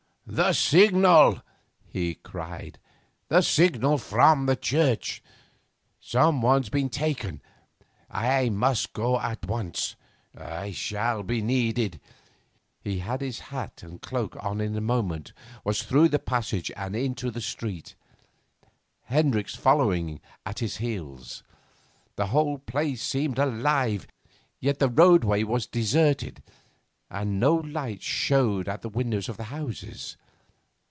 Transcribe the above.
'The signal!' he cried; 'the signal from the church. Some one's been taken. I must go at once I shall be needed.' He had his hat and cloak on in a moment, was through the passage and into the street, Hendricks following at his heels. The whole place seemed alive. Yet the roadway was deserted, and no lights showed at the windows of the houses.